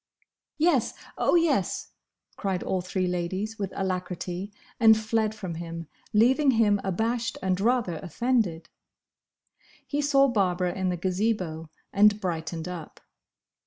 "Yes! Oh, yes!" cried all three ladies, with alacrity, and fled from him, leaving him abashed and rather offended. He saw Barbara in the Gazebo, and brightened up.